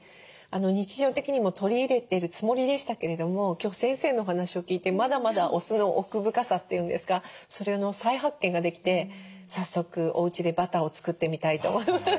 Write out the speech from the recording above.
日常的にも取り入れてるつもりでしたけれども今日先生のお話を聞いてまだまだお酢の奥深さっていうんですかそれの再発見ができて早速おうちでバターを作ってみたいと思います。